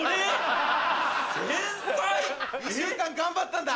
１週間頑張ったんだ。